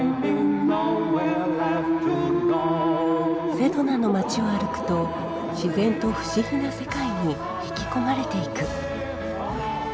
セドナの町を歩くと自然と不思議な世界に引き込まれていく。